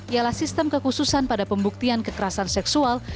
ialah sistem kekhususan pada pembuktian kekerasan seksual